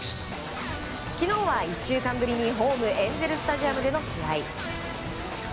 昨日は１週間ぶりに、ホームエンゼル・スタジアムでの試合。